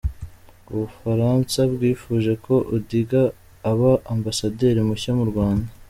U Bufaransa bwifuje ko Odinga aba Ambasaderi mushya mu Rwanda